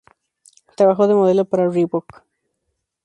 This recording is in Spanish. Trabajó de modelo para Reebok.